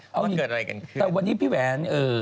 ว่าเกิดอะไรกันคือ